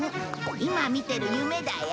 今見てる夢だよ。